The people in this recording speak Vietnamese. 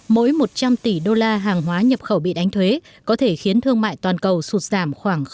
mỗi một trăm linh tỷ usd hàng hóa nhập khẩu bị đánh thuế có thể khiến thương mại toàn cầu sụt giảm khoảng năm